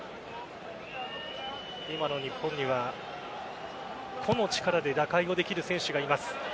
今の日本には個の力で打開できる選手がいます。